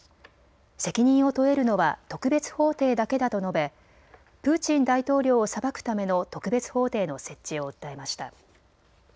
責任を問えるのは特別法廷だけだと述べプーチン大統領を裁くための特別法廷の設置を訴えました。